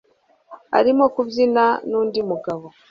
Arimo kubyina nundi mugabo.